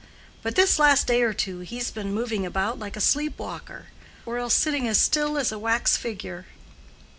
But this last day or two he's been moving about like a sleep walker, or else sitting as still as a wax figure."